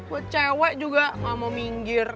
gue cewek juga gak mau minggir